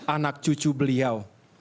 anak cucu beliau